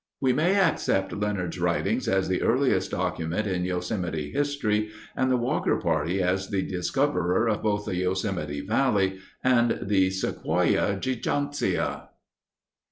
We may accept Leonard's writings as the earliest document in Yosemite history and the Walker party as the discoverer of both the Yosemite Valley and the Sequoia gigantea.